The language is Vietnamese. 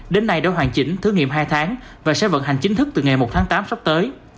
đến nay đã hoàn chỉnh thử nghiệm hai tháng và sẽ vận hành chính thức từ ngày một tháng tám sắp tới